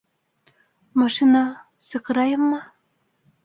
Машина... саҡырайыммы?